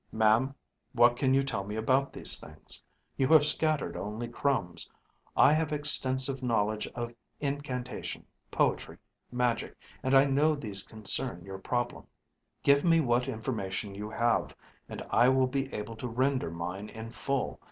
"Ma'am, what can you tell me about these things? You have scattered only crumbs. I have extensive knowledge of incantation, poetry, magic, and I know these concern your problem. Give me what information you have, and I will be able to render mine in full.